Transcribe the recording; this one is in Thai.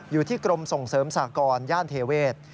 อยู่ที่กรมส่งเสริมสากรย่านเทเวศ